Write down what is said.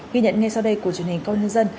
ghi nhận ngay sau đây của truyền hình công an nhân dân